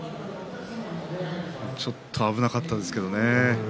ちょっと危なかったですけどもね。